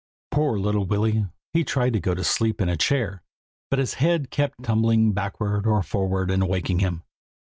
"Poor little Willy! he tried to go to sleep in a chair, but his head kept tumbling backward or forward and waking him.